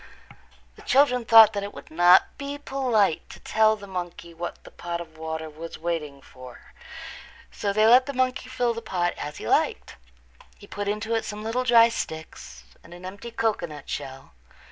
The children thought that it would not be polite to tell the monkey what the pot of water was waiting for, so they let the monkey fill the pot as he liked. He put into it some little dry sticks and an empty cocoanut shell.